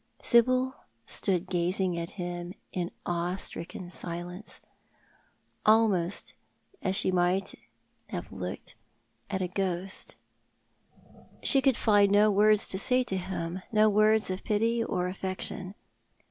Sibyl stood gazing at him in awestrickeu silence, almost as she might have looked 292 Thoit art the Man. at a ghost. She could find no words to say to him— no words of pity or affection.